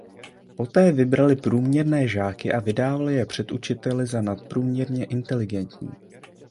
Poté vybrali průměrné žáky a vydávali je před učiteli za nadprůměrně inteligentní.